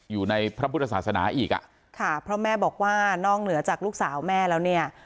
อยู่ในพระพุทธศาสนาอีกอ่ะค่ะเพราะแม่บอกว่านอกเหนือจากลูกสาวแม่แล้วเนี่ย